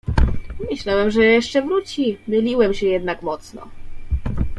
"Myślałem, że jeszcze wróci, myliłem się jednak mocno."